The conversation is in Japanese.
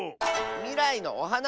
みらいのおはな！